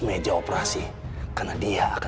saya harap saja kamu mengangkat pandang teman saja